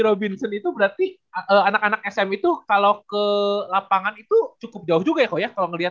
robinson itu berarti anak anak sm itu kalau ke lapangan itu cukup jauh juga ya kalau ngelihat